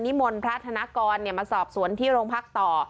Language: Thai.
นิมนต์ภรรยภาษณากรเนี่ยมาสอบศวนที่โรงพักต่อ